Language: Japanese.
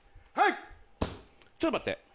ちょっと待って。